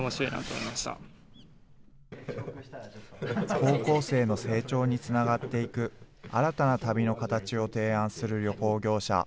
高校生の成長につながっていく新たな旅の形を提案する旅行業者。